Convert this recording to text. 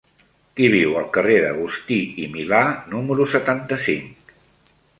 Qui viu al carrer d'Agustí i Milà número setanta-cinc?